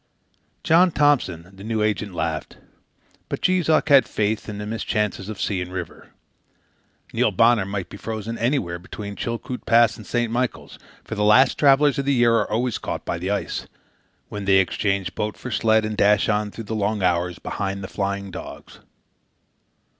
John Thompson, the new agent, laughed; but Jees Uck had faith in the mischances of sea and river. Neil Bonner might be frozen in anywhere between Chilkoot Pass and St. Michael's, for the last travellers of the year are always caught by the ice, when they exchange boat for sled and dash on through the long hours behind the flying dogs.